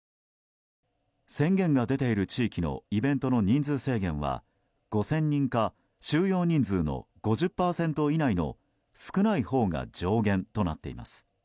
宣言が出ている地域のイベントの人数制限は５０００人か収容人数の５０％以内の少ないほうが上限となっています。